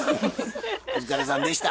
お疲れさんでした。